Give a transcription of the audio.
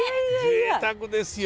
ぜいたくですよ。